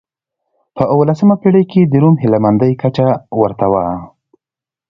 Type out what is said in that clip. په اولسمه پېړۍ کې د روم هیله مندۍ کچه ورته و.